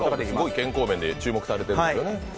すごい健康面で注目されてるんですよね。